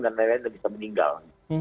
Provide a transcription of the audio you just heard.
dan lain lain dan bisa meninggal